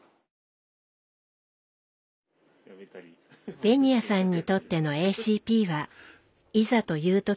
紅谷さんにとってのＡＣＰはいざという時